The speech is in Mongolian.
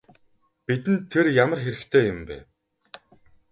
Бидэнд тэр ямар хэрэгтэй юм бэ?